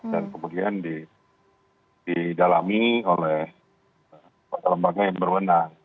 dan kemudian didalami oleh lembaga yang berwenang